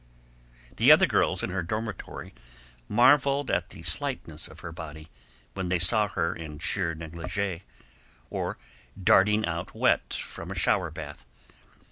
The other girls in her dormitory marveled at the slightness of her body when they saw her in sheer negligee, or darting out wet from a shower bath.